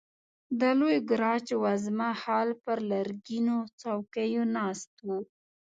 د لوی ګاراج وزمه هال پر لرګینو څوکیو ناست وو.